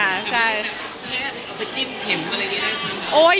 คุณจะไปจิ้มเห็นอะไรได้ใช่ไหม